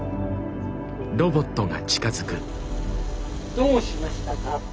どうしましたか？